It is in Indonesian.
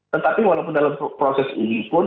tetapi walaupun dalam proses ini pun